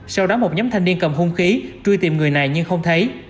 sau đó một nhóm thanh niên cầm hung khí truy tìm người này nhưng không thấy